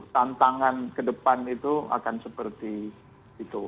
tantangan kedepan itu akan seperti itu